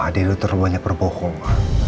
dia tuh terbanyak berbohong